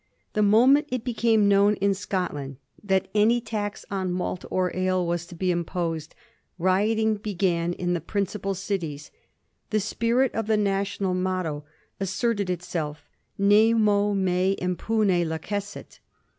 The moment it became known in Scotland that any tax on malt or ale was to be imposed, rioting began in the principal cities ; the spirit of the national motto asserted itself — 'nemo me impune lacessit.